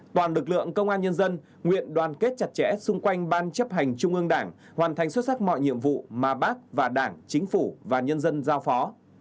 toàn lực lượng công an nhân dân nguyện đoàn kết chặt chẽ xung quanh ban chấp hành trung ương đảng hoàn thành xuất sắc mọi nhiệm vụ mà bác và đảng chính phủ và nhân dân giao phó